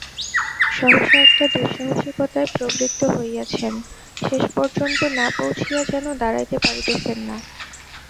সহসা একটা দুঃসাহসিকতায় প্রবৃত্ত হইয়াছেন, শেষ পর্যন্ত না পৌঁছিয়া যেন দাঁড়াইতে পারিতেছেন না।